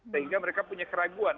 sehingga mereka punya keraguan